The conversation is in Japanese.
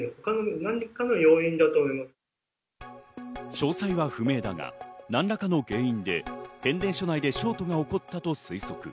詳細は不明だが何らかの原因で変電所内でショートが起こったと推測。